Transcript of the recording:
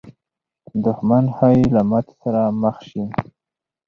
دښمن ښایي له ماتې سره مخامخ سي.